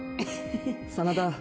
真田。